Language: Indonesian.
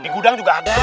di gudang juga ada